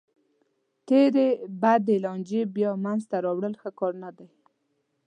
تېرې بدې لانجې بیا منځ ته راوړل ښه کار نه دی.